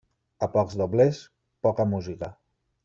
A pocs doblers, poca música.